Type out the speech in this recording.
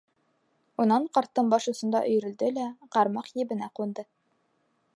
Унан ҡарттың баш осонда өйөрөлдө лә ҡармаҡ ебенә ҡунды.